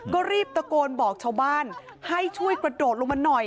ก็รีบตะโกนบอกชาวบ้านให้ช่วยกระโดดลงมาหน่อย